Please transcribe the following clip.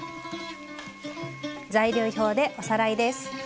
材料表でおさらいです。